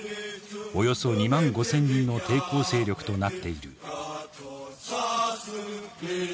およそ２万５，０００人の抵抗勢力となっている。